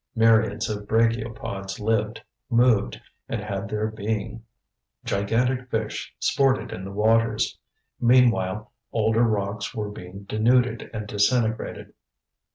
Myriads of brachiopods lived, moved, and had their being. Gigantic fish sported in the waters. Meanwhile older rocks were being denuded and disintegrated.